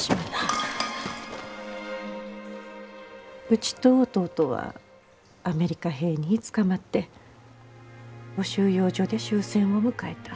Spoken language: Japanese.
うちと弟はアメリカ兵につかまって収容所で終戦を迎えた。